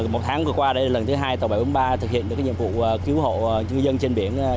một tháng vừa qua đây là lần thứ hai tàu bảy trăm bốn mươi ba thực hiện được nhiệm vụ cứu hộ ngư dân trên biển